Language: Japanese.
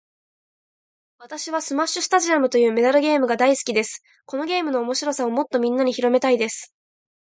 私はスマッシュスタジアムというメダルゲームが大好きです。このゲームの面白さをもっとみんなに広めたいです。